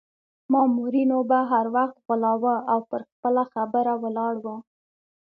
مامورینو به هر وخت غولاوه او پر خپله خبره ولاړ وو.